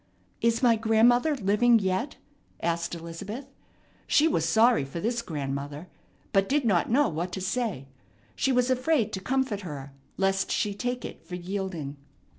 "Is my grandmother living yet?" asked Elizabeth. She was sorry for this grandmother, but did not know what to say. She was afraid to comfort her lest she take it for yielding.